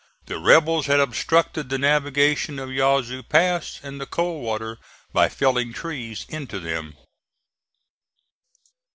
The rebels had obstructed the navigation of Yazoo Pass and the Coldwater by felling trees into them.